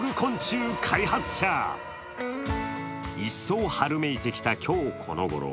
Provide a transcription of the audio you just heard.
一層春めいてきた今日このごろ。